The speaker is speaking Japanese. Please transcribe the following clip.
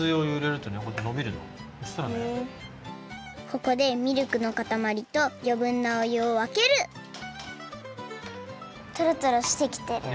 ここでミルクのかたまりとよぶんなお湯をわけるとろとろしてきてる！